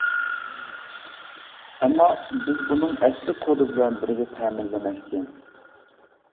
ئەمما، بىز بۇنىڭ ئەسلى كودى بىلەن بىرگە تەمىنلىمەكچى.